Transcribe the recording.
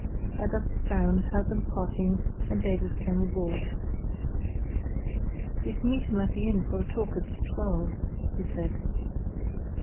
I ducked down, heard them parting, and Davies came aboard. "We're to meet him at the inn for a talk at twelve," he said.